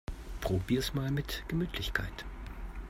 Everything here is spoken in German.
Probier's mal mit Gemütlichkeit!